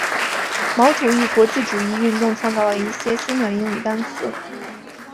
毛主义国际主义运动创作了一些新的英语单词。